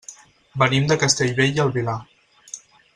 Venim de Castellbell i el Vilar.